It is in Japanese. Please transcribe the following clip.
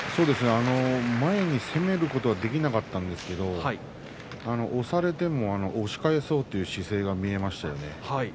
前に攻めることはできなかったんですけれども押されても押し返そうという姿勢が見えましたよね。